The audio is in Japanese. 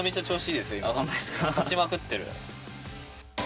勝ちまくってる。